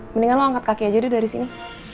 mendingan lo angkat kaki aja deh dari sini